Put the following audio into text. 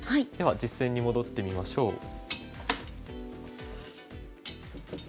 では実戦に戻ってみましょう。